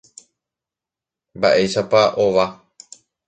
Mba'éichapa ova.